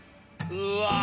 うわ！